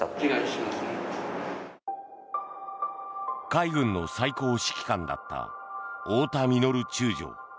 海軍の最高指揮官だった大田実中将。